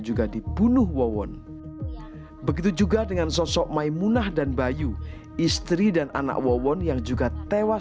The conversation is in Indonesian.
juga dibunuh wowon begitu juga dengan sosok maymunah dan bayu istri dan anak wowon yang juga